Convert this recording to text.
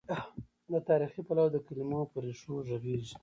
له تاریخي، پلوه د کلمو پر ریښو غږېږي.